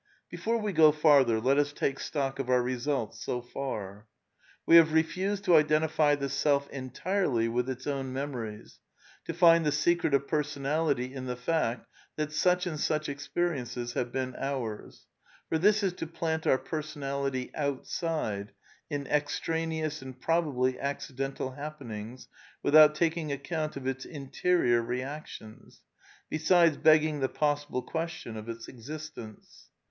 Before we go farther let us take stock of our results so far. We have refused to identify the self entirely with its own memories, to find the secret of personality in the fact that such and such experiences have been ours ; for this is to plant our personality outside, in extraneous and prob ably accidental happenings, without taking account of its interior reactions; besides begging the possible question of its existence.